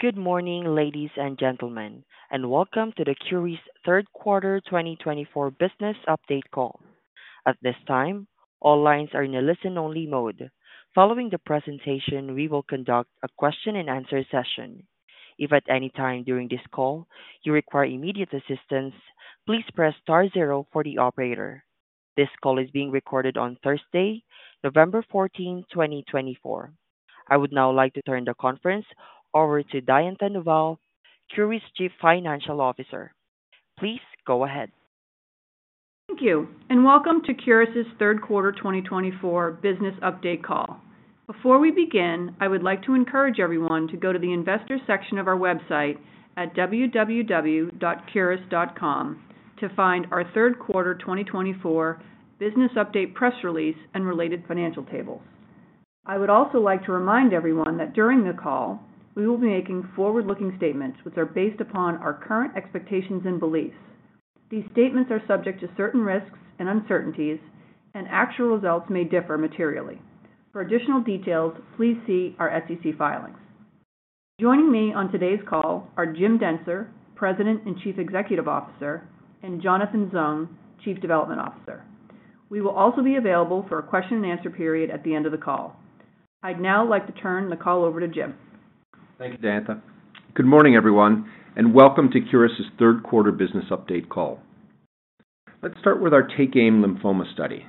Good morning, ladies and gentlemen, and Welcome to the Curis Q3 2024 Business Update Call. At this time, all lines are in a listen-only mode. Following the presentation, we will conduct a question-and-answer session. If at any time during this call you require immediate assistance, please press star zero for the operator. This call is being recorded on Thursday, 14 November 2024. I would now like to turn the conference over to Diantha Duvall, Curis Chief Financial Officer. Please go ahead. Thank you, and Welcome to Curis' Q3 2024 Business Update Call. Before we begin, I would like to encourage everyone to go to the investor section of our website at www.curis.com to find our Q3 2024 Business Update Press Release and related financial tables. I would also like to remind everyone that during the call, we will be making forward-looking statements which are based upon our current expectations and beliefs. These statements are subject to certain risks and uncertainties, and actual results may differ materially. For additional details, please see our SEC filings. Joining me on today's call are Jim Dentzer, President and Chief Executive Officer, and Jonathan Zung, Chief Development Officer. We will also be available for a question-and-answer period at the end of the call. I'd now like to turn the call over to Jim. Thank you, Diantha. Good morning, everyone, and welcome to Curis' Q3 Business Update Call. Let's start with our TakeAim Lymphoma study,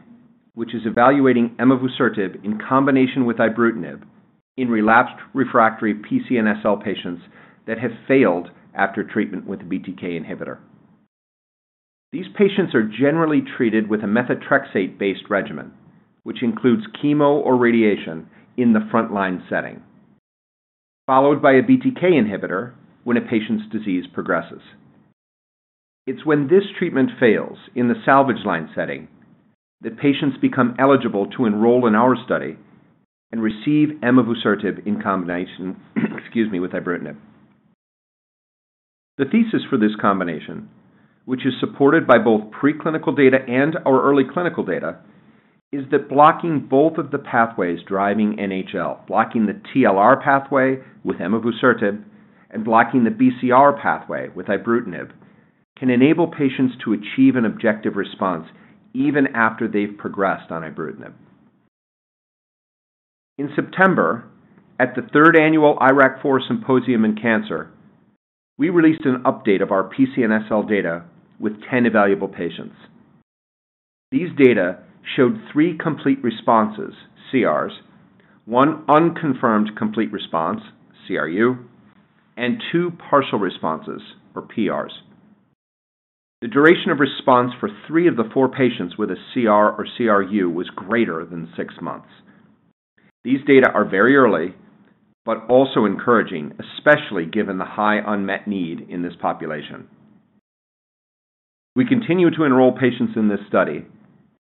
which is evaluating emavusertib in combination with ibrutinib in relapsed refractory PCNSL patients that have failed after treatment with a BTK inhibitor. These patients are generally treated with a methotrexate-based regimen, which includes chemo or radiation in the front-line setting, followed by a BTK inhibitor when a patient's disease progresses. It's when this treatment fails in the salvage line setting that patients become eligible to enroll in our study and receive emavusertib in combination with ibrutinib. The thesis for this combination, which is supported by both preclinical data and our early clinical data, is that blocking both of the pathways driving NHL, blocking the TLR pathway with emavusertib and blocking the BCR pathway with ibrutinib, can enable patients to achieve an objective response even after they've progressed on ibrutinib. In September, at the third annual IRAK4 Symposium in Cancer, we released an update of our PCNSL data with 10 evaluable patients. These data showed three complete responses (CRs), one unconfirmed complete response (CRU), and two partial responses (PRs). The duration of response for three of the four patients with a CR or CRU was greater than six months. These data are very early but also encouraging, especially given the high unmet need in this population. We continue to enroll patients in this study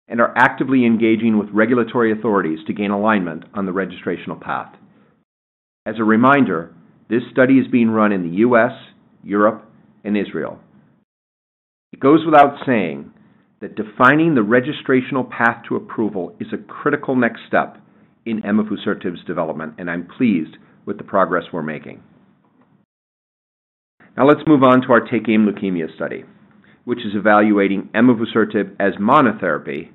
and are actively engaging with regulatory authorities to gain alignment on the registrational path. As a reminder, this study is being run in the US, Europe, and Israel. It goes without saying that defining the registrational path to approval is a critical next step in emavusertib's development, and I'm pleased with the progress we're making. Now, let's move on to our TakeAim Leukemia study, which is evaluating emavusertib as monotherapy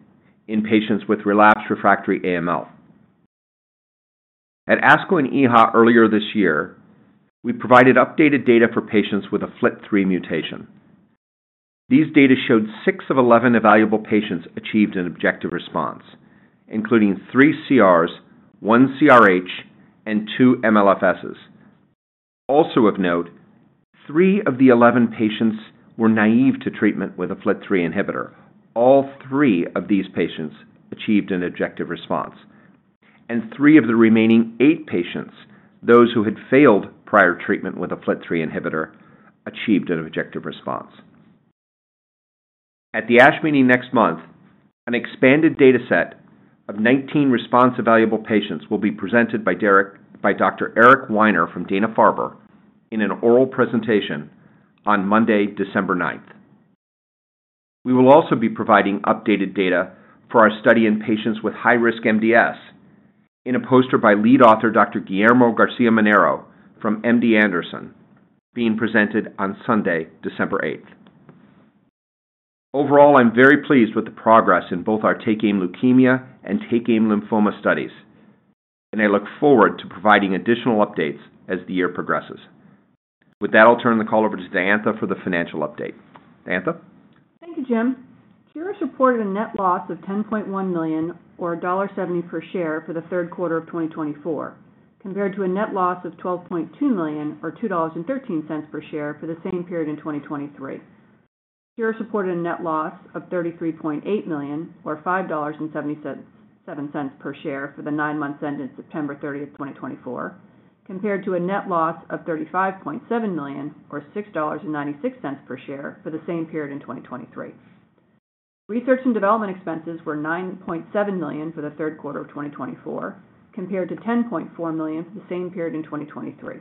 in patients with relapsed refractory AML. At ASCO and EHA earlier this year, we provided updated data for patients with a FLT3 mutation. These data showed six of 11 evaluable patients achieved an objective response, including three CRs, one CRH, and two MLFSs. Also, of note, three of the 11 patients were naive to treatment with a FLT3 inhibitor. All three of these patients achieved an objective response, and three of the remaining eight patients, those who had failed prior treatment with a FLT3 inhibitor, achieved an objective response. At the ASH next month, an expanded data set of 19 response-available patients will be presented by Dr. Eric S. Winer from Dana-Farber in an oral presentation on Monday, December 9th. We will also be providing updated data for our study in patients with high-risk MDS in a poster by lead author Dr. Guillermo Garcia-Manero from MD Anderson, being presented on Sunday, December 8th. Overall, I'm very pleased with the progress in both our TakeAim Leukemia and TakeAim Lymphoma studies, and I look forward to providing additional updates as the year progresses. With that, I'll turn the call over to Diantha for the financial update. Diantha? Thank you, Jim. Curis reported a net loss of $10.1 million, or $1.70 per share, for the Q3 of 2024, compared to a net loss of $12.2 million, or $2.13 per share, for the same period in 2023. Curis reported a net loss of $33.8 million, or $5.77 per share, for the nine months ended 30 September, 2024, compared to a net loss of $35.7 million, or $6.96 per share, for the same period in 2023. Research and development expenses were $9.7 million for the Q3 of 2024, compared to $10.4 million for the same period in 2023.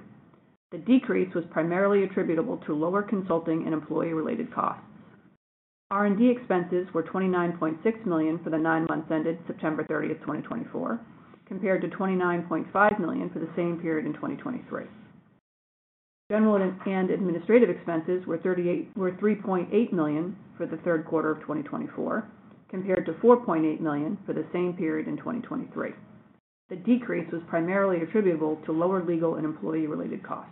The decrease was primarily attributable to lower consulting and employee-related costs. R&D expenses were $29.6 million for the nine months ended 30 September 2024, compared to $29.5 million for the same period in 2023. General and administrative expenses were $3.8 million for the Q3 of 2024, compared to $4.8 million for the same period in 2023. The decrease was primarily attributable to lower legal and employee-related costs.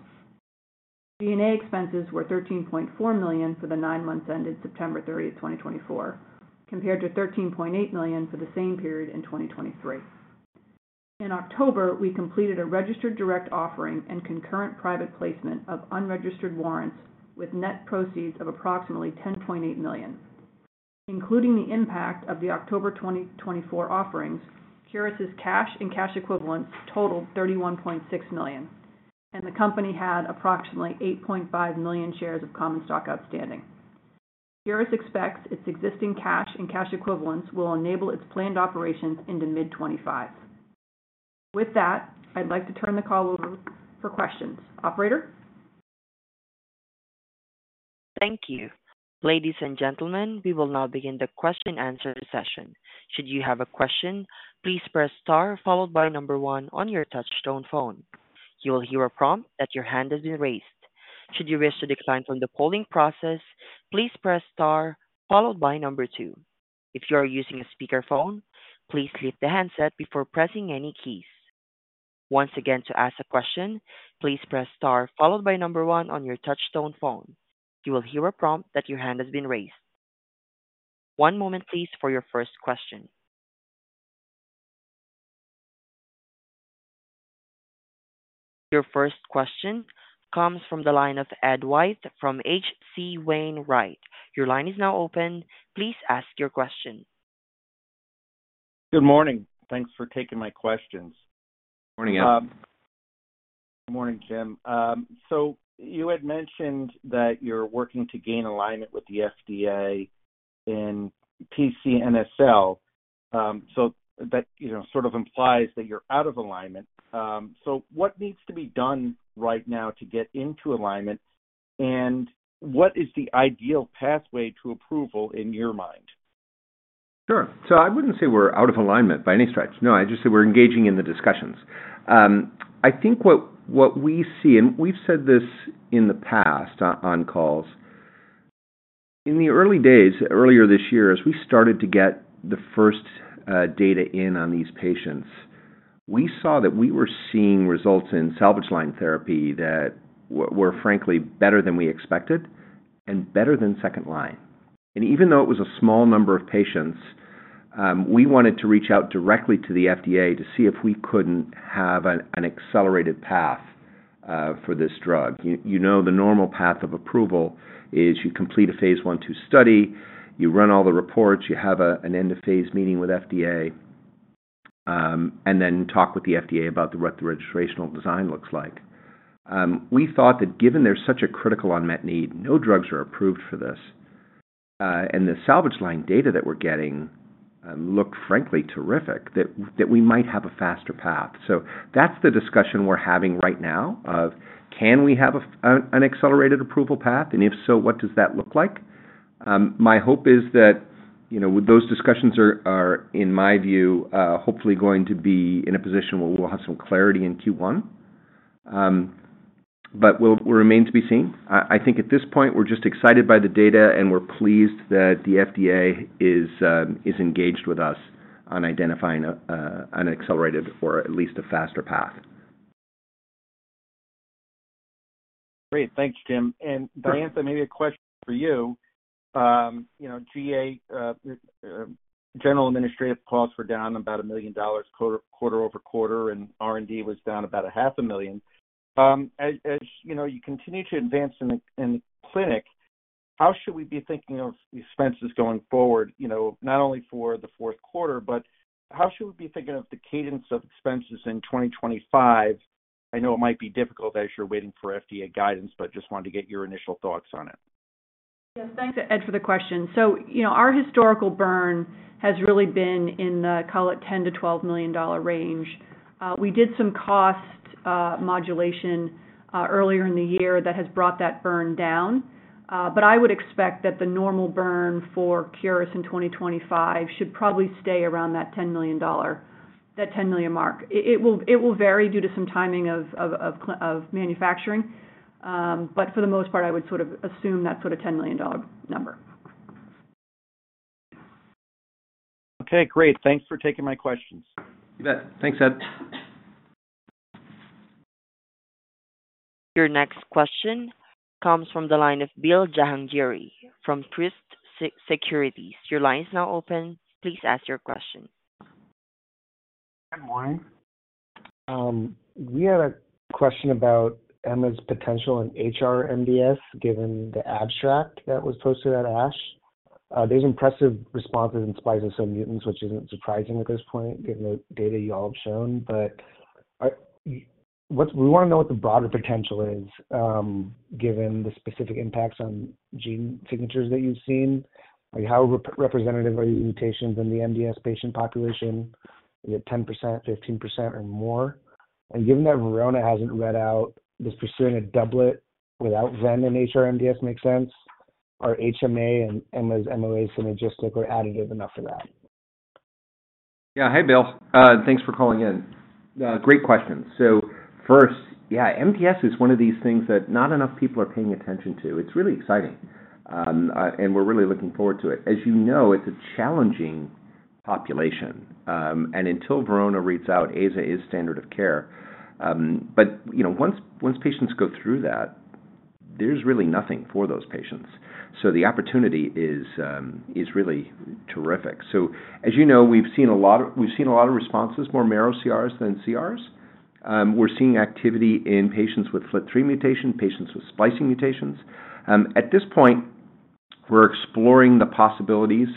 R&D expenses were $13.4 million for the nine months ended 30 September 2024, compared to $13.8 million for the same period in 2023. In October, we completed a registered direct offering and concurrent private placement of unregistered warrants with net proceeds of approximately $10.8 million. Including the impact of the October 2024 offerings, Curis's cash and cash equivalents totaled $31.6 million, and the company had approximately 8.5 million shares of common stock outstanding. Curis expects its existing cash and cash equivalents will enable its planned operations into mid-2025. With that, I'd like to turn the call over for questions. Operator? Thank you. Ladies and gentlemen, we will now begin the question-and-answer session. Should you have a question, please press star followed by number one on your touch-tone phone. You will hear a prompt that your hand has been raised. Should you wish to decline from the polling process, please press star followed by number two. If you are using a speakerphone, please lift the handset before pressing any keys. Once again, to ask a question, please press star followed by number one on your touch-tone phone. You will hear a prompt that your hand has been raised. One moment, please, for your first question. Your first question comes from the line of Ed White from H.C. Wainwright. Your line is now open. Please ask your question. Good morning. Thanks for taking my questions. Good morning, Ed. Good morning, Jim. So you had mentioned that you're working to gain alignment with the FDA in PCNSL. So that sort of implies that you're out of alignment. So what needs to be done right now to get into alignment, and what is the ideal pathway to approval in your mind? Sure. So I wouldn't say we're out of alignment by any stretch. No, I just say we're engaging in the discussions. I think what we see, and we've said this in the past on calls, in the early days earlier this year, as we started to get the first data in on these patients, we saw that we were seeing results in salvage line therapy that were, frankly, better than we expected and better than second line, and even though it was a small number of patients, we wanted to reach out directly to the FDA to see if we couldn't have an accelerated path for this drug. You know the normal path of approval is you complete a phase one-two study, you run all the reports, you have an end-of-phase meeting with FDA, and then talk with the FDA about what the registrational design looks like. We thought that given there's such a critical unmet need, no drugs are approved for this, and the salvage line data that we're getting looked, frankly, terrific, that we might have a faster path. So that's the discussion we're having right now of, can we have an accelerated approval path, and if so, what does that look like? My hope is that those discussions are, in my view, hopefully going to be in a position where we'll have some clarity in Q1. But we'll remain to be seen. I think at this point, we're just excited by the data, and we're pleased that the FDA is engaged with us on identifying an accelerated or at least a faster path. Great. Thanks, Jim. And Diantha, maybe a question for you. General administrative costs were down about $1 million quarter over quarter, and R&D was down about $500,000. As you continue to advance in the clinic, how should we be thinking of expenses going forward, not only for the Q4, but how should we be thinking of the cadence of expenses in 2025? I know it might be difficult as you're waiting for FDA guidance, but just wanted to get your initial thoughts on it. Yes. Thanks, Ed, for the question. So our historical burn has really been in the, call it, $10-$12 million range. We did some cost modulation earlier in the year that has brought that burn down. But I would expect that the normal burn for Curis in 2025 should probably stay around that $10 million mark. It will vary due to some timing of manufacturing. But for the most part, I would sort of assume that's sort of a $10 million number. Okay. Great. Thanks for taking my questions. You bet. Thanks, Ed. Your next question comes from the line of Bill Jahangiri from Truist Securities. Your line is now open. Please ask your question. Good morning. We had a question about emavusertib's potential in HRMDS, given the abstract that was posted at ASH. There's impressive responses in spite of some mutants, which isn't surprising at this point, given the data you all have shown. But we want to know what the broader potential is, given the specific impacts on gene signatures that you've seen. How representative are these mutations in the MDS patient population? Is it 10%, 15%, or more? And given that Verona hasn't read out, does pursuing a doublet without VEN in HRMDS make sense? Are HMA and emavusertib's MOA synergistic or additive enough for that? Yeah. Hey, Bill. Thanks for calling in. Great question. So first, yeah, MDS is one of these things that not enough people are paying attention to. It's really exciting, and we're really looking forward to it. As you know, it's a challenging population. And until Verona reads out, AZA is standard of care. But once patients go through that, there's really nothing for those patients. So the opportunity is really terrific. So as you know, we've seen a lot of responses, more marrow CRs than CRs. We're seeing activity in patients with FLT3 mutation, patients with splicing mutations. At this point, we're exploring the possibilities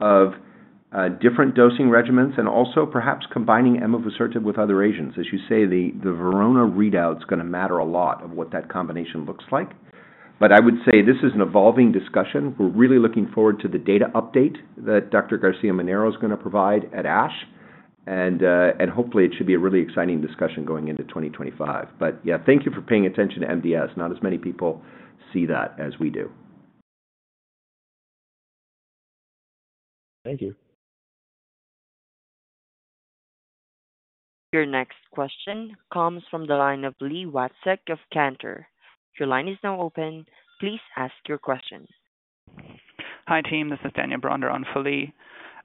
of different dosing regimens and also perhaps combining emavusertib with other agents. As you say, the Verona readout's going to matter a lot of what that combination looks like. But I would say this is an evolving discussion. We're really looking forward to the data update that Dr. Garcia-Manero is going to provide at ASH. And hopefully, it should be a really exciting discussion going into 2025. But yeah, thank you for paying attention to MDS. Not as many people see that as we do. Thank you. Your next question comes from the line of Li Watsek of Cantor. Your line is now open. Please ask your question. Hi, team. This is Daniel Brander on for Lee.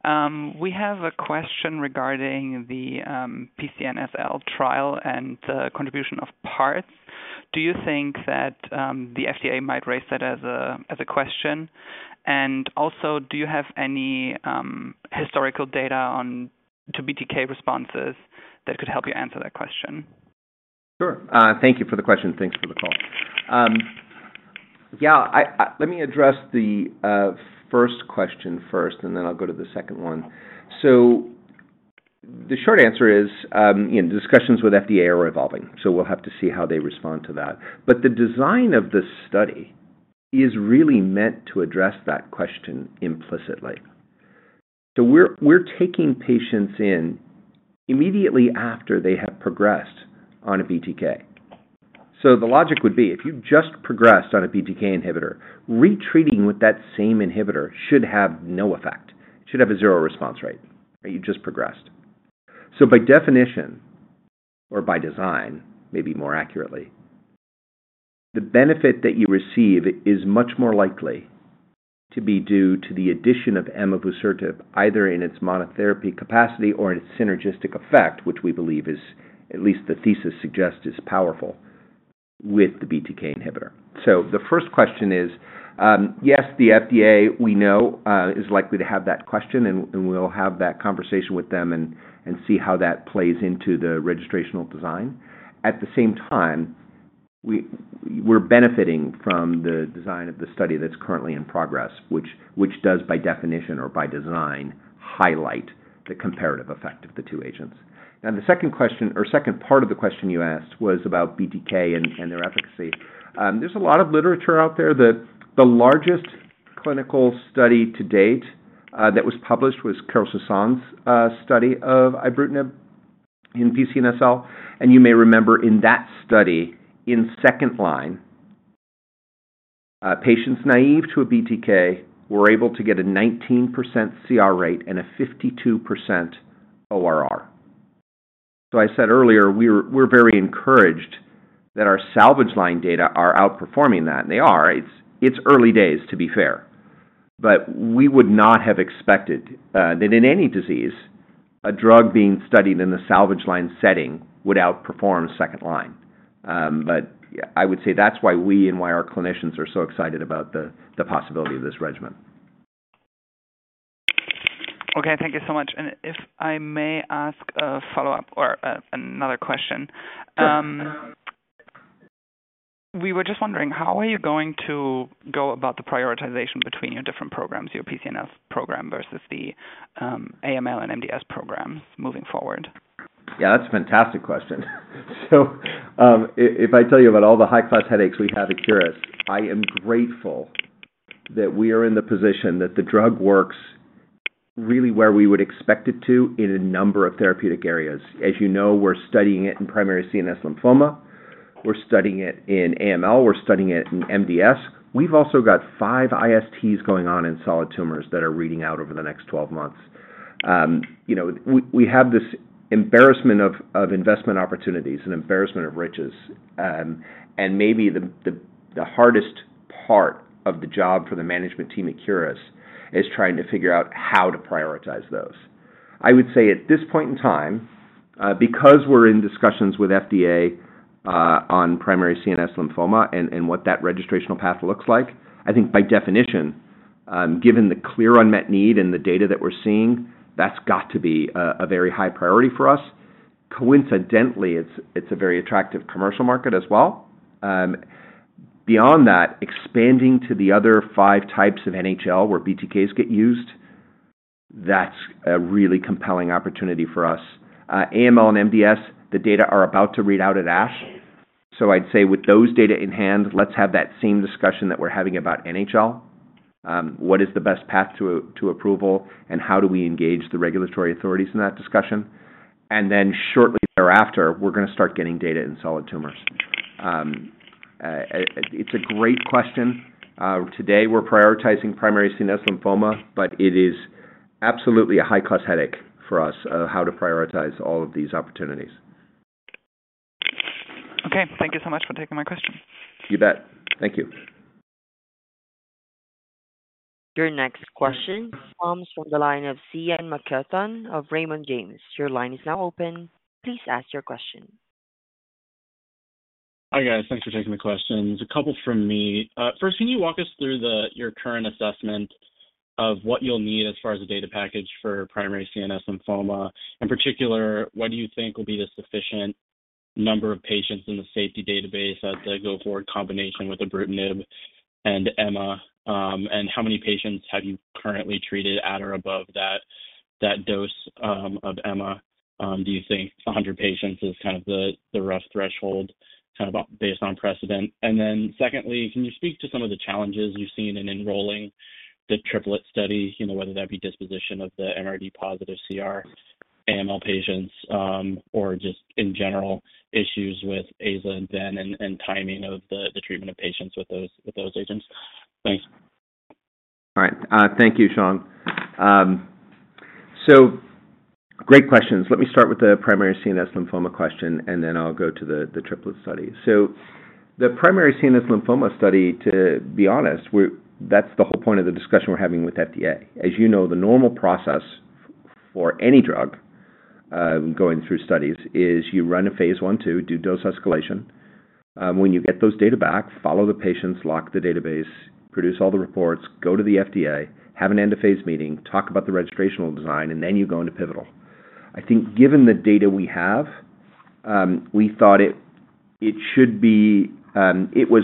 We have a question regarding the PCNSL trial and the contribution of parts. Do you think that the FDA might raise that as a question? And also, do you have any historical data on BTK responses that could help you answer that question? Sure. Thank you for the question. Thanks for the call. Yeah. Let me address the first question first, and then I'll go to the second one. So the short answer is discussions with FDA are evolving. So we'll have to see how they respond to that. But the design of this study is really meant to address that question implicitly. So we're taking patients in immediately after they have progressed on a BTK. So the logic would be, if you've just progressed on a BTK inhibitor, retreating with that same inhibitor should have no effect. It should have a zero response rate. You just progressed. So by definition, or by design, maybe more accurately, the benefit that you receive is much more likely to be due to the addition of emavusertib, either in its monotherapy capacity or in its synergistic effect, which we believe is, at least the thesis suggests, is powerful with the BTK inhibitor. So the first question is, yes, the FDA, we know, is likely to have that question, and we'll have that conversation with them and see how that plays into the registrational design. At the same time, we're benefiting from the design of the study that's currently in progress, which does, by definition or by design, highlight the comparative effect of the two agents. Now, the second question, or second part of the question you asked, was about BTK and their efficacy. There's a lot of literature out there. The largest clinical study to date that was published was Carole Soussain's study of ibrutinib in PCNSL, and you may remember, in that study, in second line, patients naive to a BTK were able to get a 19% CR rate and a 52% ORR, so I said earlier, we're very encouraged that our salvage line data are outperforming that, and they are. It's early days, to be fair, but we would not have expected that in any disease, a drug being studied in the salvage line setting would outperform second line, but I would say that's why we and why our clinicians are so excited about the possibility of this regimen. Okay. Thank you so much. And if I may ask a follow-up or another question. Sure. We were just wondering, how are you going to go about the prioritization between your different programs, your PCNSL program versus the AML and MDS programs moving forward? Yeah. That's a fantastic question. So if I tell you about all the high-class headaches we have at Curis, I am grateful that we are in the position that the drug works really where we would expect it to in a number of therapeutic areas. As you know, we're studying it in primary CNS lymphoma. We're studying it in AML. We're studying it in MDS. We've also got five ISTs going on in solid tumors that are reading out over the next 12 months. We have this embarrassment of investment opportunities, an embarrassment of riches. And maybe the hardest part of the job for the management team at Curis is trying to figure out how to prioritize those. I would say at this point in time, because we're in discussions with FDA on primary CNS lymphoma and what that registrational path looks like, I think by definition, given the clear unmet need and the data that we're seeing, that's got to be a very high priority for us. Coincidentally, it's a very attractive commercial market as well. Beyond that, expanding to the other five types of NHL where BTKs get used, that's a really compelling opportunity for us. AML and MDS, the data are about to read out at ASH. So I'd say with those data in hand, let's have that same discussion that we're having about NHL. What is the best path to approval, and how do we engage the regulatory authorities in that discussion? And then shortly thereafter, we're going to start getting data in solid tumors. It's a great question. Today, we're prioritizing primary CNS lymphoma, but it is absolutely a high-class headache for us of how to prioritize all of these opportunities. Okay. Thank you so much for taking my question. You bet. Thank you. Your next question comes from the line of Sean McCutcheon of Raymond James. Your line is now open. Please ask your question. Hi, guys. Thanks for taking the question. There's a couple from me. First, can you walk us through your current assessment of what you'll need as far as a data package for primary CNS lymphoma? In particular, what do you think will be the sufficient number of patients in the safety database as they go forward in combination with ibrutinib and emavusertib? And how many patients have you currently treated at or above that dose of emavusertib? Do you think 100 patients is kind of the rough threshold kind of based on precedent? And then secondly, can you speak to some of the challenges you've seen in enrolling the triplet study, whether that be disposition of the MRD-positive CR AML patients or just in general issues with AZA and ven and timing of the treatment of patients with those agents? Thanks. All right. Thank you, Sean. Great questions. Let me start with the primary CNS lymphoma question, and then I'll go to the triplet study. The primary CNS lymphoma study, to be honest, that's the whole point of the discussion we're having with FDA. As you know, the normal process for any drug going through studies is you run a phase I, phase II, do dose escalation. When you get those data back, follow the patients, lock the database, produce all the reports, go to the FDA, have an end-of-phase meeting, talk about the registrational design, and then you go into pivotal. I think given the data we have, we thought it was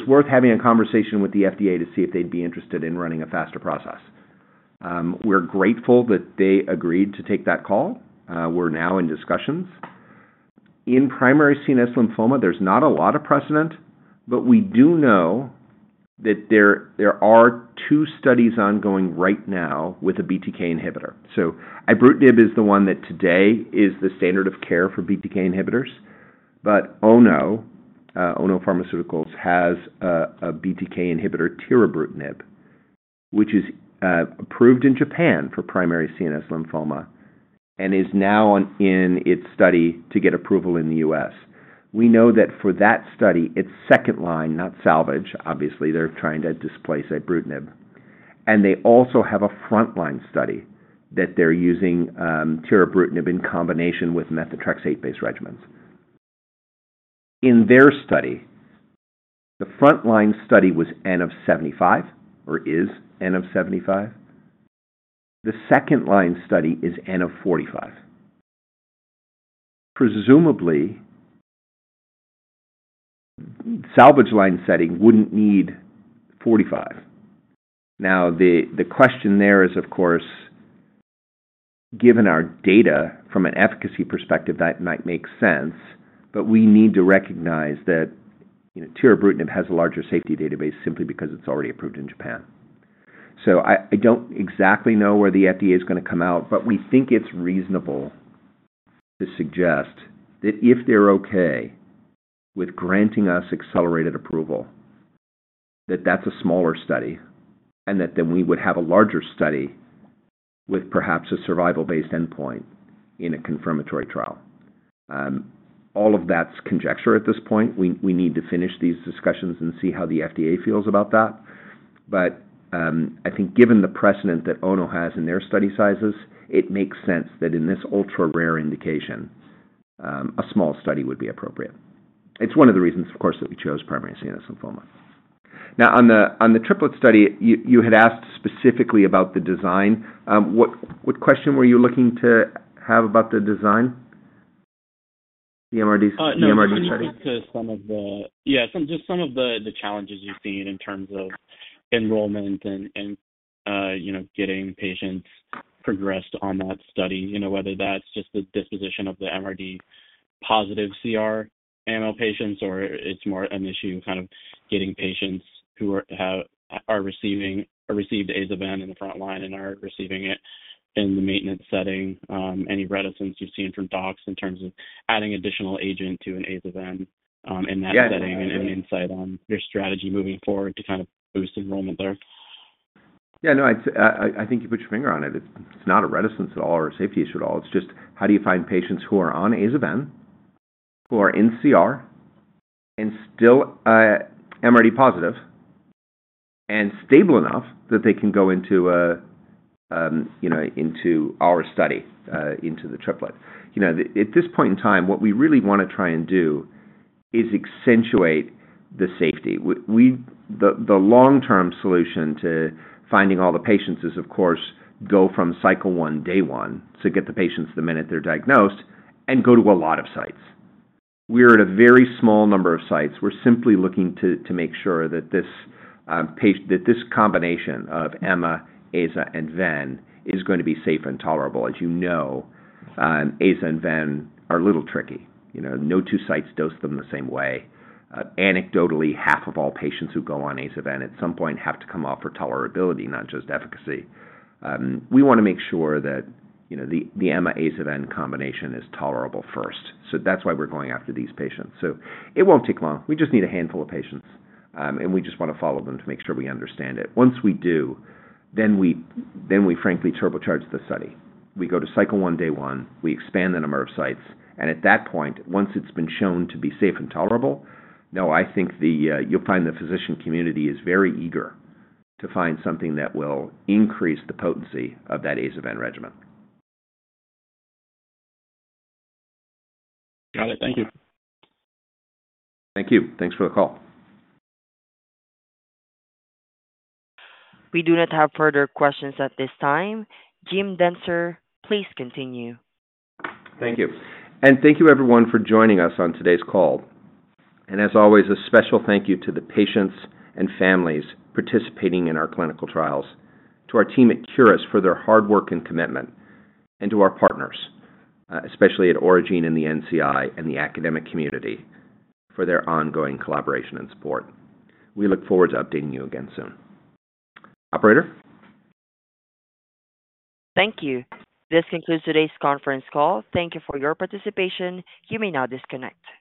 worth having a conversation with the FDA to see if they'd be interested in running a faster process. We're grateful that they agreed to take that call. We're now in discussions. In primary CNS lymphoma, there's not a lot of precedent, but we do know that there are two studies ongoing right now with a BTK inhibitor. So ibrutinib is the one that today is the standard of care for BTK inhibitors. But Ono, Ono Pharmaceutical, has a BTK inhibitor, tirabrutinib, which is approved in Japan for primary CNS lymphoma and is now in its study to get approval in the US. We know that for that study, it's second line, not salvage. Obviously, they're trying to displace ibrutinib. And they also have a frontline study that they're using tirabrutinib in combination with methotrexate-based regimens. In their study, the frontline study was N of 75, or is N of 75. The second line study is N of 45. Presumably, salvage line setting wouldn't need 45. Now, the question there is, of course, given our data from an efficacy perspective, that might make sense. But we need to recognize that tirabrutinib has a larger safety database simply because it's already approved in Japan. So I don't exactly know where the FDA is going to come out, but we think it's reasonable to suggest that if they're okay with granting us accelerated approval, that that's a smaller study and that then we would have a larger study with perhaps a survival-based endpoint in a confirmatory trial. All of that's conjecture at this point. We need to finish these discussions and see how the FDA feels about that. But I think given the precedent that ONO has in their study sizes, it makes sense that in this ultra-rare indication, a small study would be appropriate. It's one of the reasons, of course, that we chose primary CNS lymphoma. Now, on the triplet study, you had asked specifically about the design. What question were you looking to have about the design, the MRD study? No, I was looking to some of the, yeah, just some of the challenges you've seen in terms of enrollment and getting patients progressed on that study, whether that's just the disposition of the MRD-positive CR AML patients or it's more an issue kind of getting patients who are received AZA/VEN in the front line and are receiving it in the maintenance setting. Any reticence you've seen from docs in terms of adding additional agent to an AZA/VEN in that setting and insight on your strategy moving forward to kind of boost enrollment there? Yeah. No, I think you put your finger on it. It's not a reticence at all or a safety issue at all. It's just how do you find patients who are on AZA/VEN, who are in CR and still MRD-positive and stable enough that they can go into our study, into the triplet? At this point in time, what we really want to try and do is accentuate the safety. The long-term solution to finding all the patients is, of course, go from cycle one, day one, to get the patients the minute they're diagnosed and go to a lot of sites. We're at a very small number of sites. We're simply looking to make sure that this combination of Emma, AZA, and VEN is going to be safe and tolerable. As you know, AZA and VEN are a little tricky. No two sites dose them the same way. Anecdotally, half of all patients who go on AZA/VEN at some point have to come off for tolerability, not just efficacy. We want to make sure that the Emma-AZA/VEN combination is tolerable first. So that's why we're going after these patients. So it won't take long. We just need a handful of patients, and we just want to follow them to make sure we understand it. Once we do, then we, frankly, turbocharge the study. We go to cycle one, day one. We expand the number of sites. And at that point, once it's been shown to be safe and tolerable, no, I think you'll find the physician community is very eager to find something that will increase the potency of that AZA/VEN regimen. Got it. Thank you. Thank you. Thanks for the call. We do not have further questions at this time. Jim Dentzer, please continue. Thank you. And thank you, everyone, for joining us on today's call. And as always, a special thank you to the patients and families participating in our clinical trials, to our team at Curis for their hard work and commitment, and to our partners, especially at Aurigene and the NCI and the academic community for their ongoing collaboration and support. We look forward to updating you again soon. Operator? Thank you. This concludes today's conference call. Thank you for your participation. You may now disconnect.